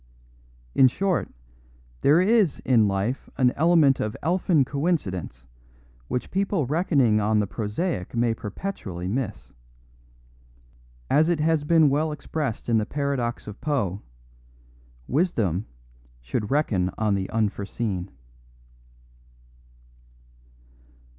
In short, there is in life an element of elfin coincidence which people reckoning on the prosaic may perpetually miss. As it has been well expressed in the paradox of Poe, wisdom should reckon on the unforeseen.